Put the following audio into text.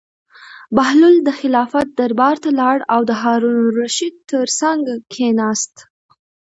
بهلول د خلافت دربار ته لاړ او د هارون الرشید تر څنګ کېناست.